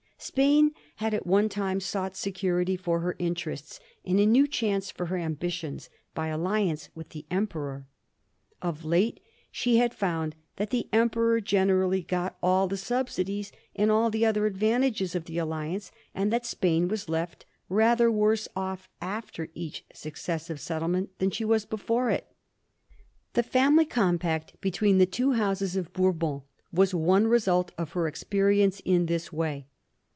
Spain had at one time sought security for her interests, and a new chance for her ambitions, by alliance with the Emperor. Of late she had found that the Emperor gen erally got all the subsidies and all the other advantages of the alliance, and that Spain was left rather worse off after each successive settlement than she was before it. The family compact between the two Houses of Bourbon was one result of her experience in this way.